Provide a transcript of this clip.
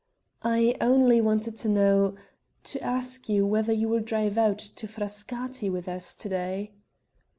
"I only wanted to know to ask you whether you will drive out to Frascati with us to day?"